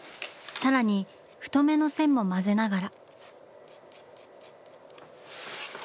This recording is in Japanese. さらに太めの線も混ぜながら。